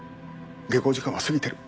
下校時間は過ぎてる。